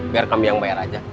biar kami yang bayar aja